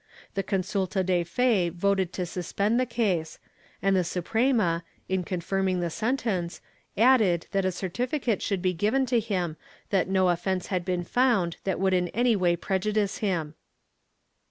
The consulta de fe voted to suspend the case and the Suprema, in confirming the sentence, added that a certificate should be given to him that no offence had been found that would in any way prejudice him.